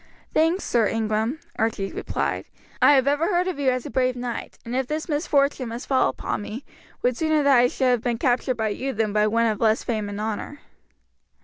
"Thanks, Sir Ingram," Archie replied. "I have ever heard of you as a brave knight, and if this misfortune must fall upon me, would sooner that I should have been captured by you than by one of less fame and honour."